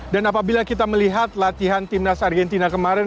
dan apabila kita melihat latihan timnas argentina kemarin